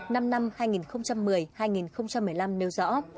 năm năm hai nghìn một mươi hai nghìn một mươi năm nêu rõ